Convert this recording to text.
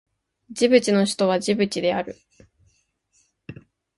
ジブチの首都はジブチである